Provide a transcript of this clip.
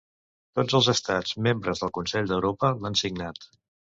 Tots els estats membres del Consell d'Europa l'han signat.